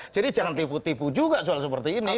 jadi jangan tipu tipu juga soal seperti ini